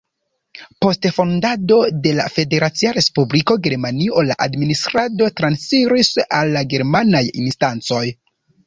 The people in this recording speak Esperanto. Post fondado de la Federacia Respubliko Germanio la administrado transiris al la germanaj instancoj.